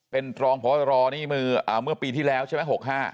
เป็นรองผอบตรเมื่อปีที่แล้วใช่มั้ย๖๕